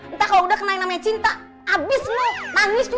entah kalo udah kenain namanya cinta lo suka sama ini lo suka sama ini lo suka sama ini